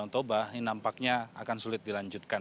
dan di danau toba ini nampaknya akan sulit dilanjutkan